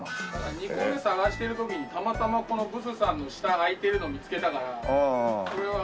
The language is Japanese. ２個目探してる時にたまたまこのブスさんの下が空いてるのを見つけたからそれはすごい。